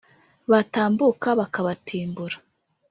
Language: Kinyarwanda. batambuka bakabatimbura